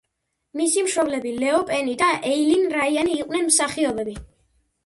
მისი მშობლები ლეო პენი და ეილინ რაიანი იყვნენ მსახიობები.